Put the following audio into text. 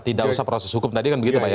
tidak usah proses hukum tadi kan begitu pak ya